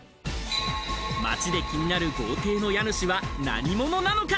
街で気になる豪邸の家主は何者なのか？